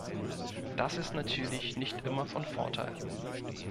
Das ist natürlich nicht immer von Vorteil.